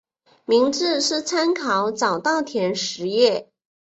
名字是参考早稻田实业。